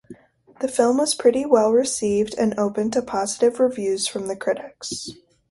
The film was well received and opened to positive reviews from the critics.